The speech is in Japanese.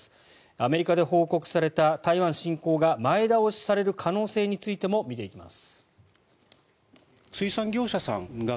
アメリカで報告された台湾進攻が前倒しされる可能性についても見ていきます。